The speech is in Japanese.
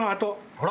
あら！